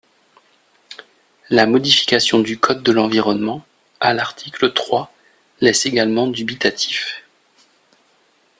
La modification du code de l’environnement, à l’article trois, laisse également dubitatif.